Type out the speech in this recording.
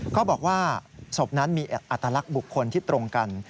ก็บอกว่าศพนั้นมีอัตลักษณ์บุคคลที่ตรงกัน